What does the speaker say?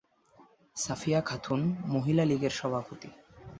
সাফিয়া খাতুন মহিলা লীগের সভাপতি।